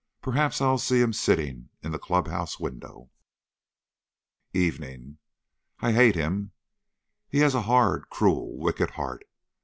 Perhaps I'll see him sitting in the club house window!" "EVENING. I hate him. He has a hard, cruel, wicked heart.